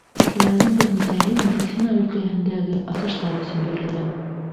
Шуларҙың бер нисәһе медицина өлкәһендәге асыштар өсөн бирелгән.